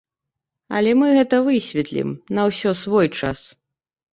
Але мы гэта высветлім, на ўсё свой час.